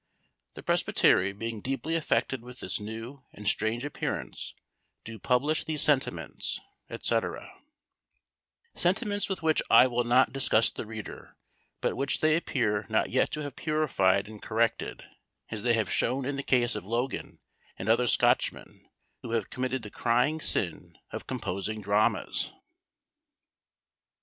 The presbytery being deeply affected with this new and strange appearance, do publish these sentiments," &c Sentiments with which I will not disgust the reader; but which they appear not yet to have purified and corrected, as they have shown in the case of Logan and other Scotchmen, who have committed the crying sin of composing dramas!